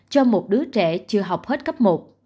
cho một đứa trẻ chưa học hết cấp một